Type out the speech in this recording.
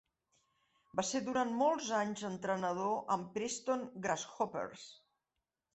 Va ser durant molts anys entrenador amb Preston Grasshoppers.